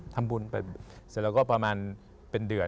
เสร็จเราก็ประมาณเป็นเดือน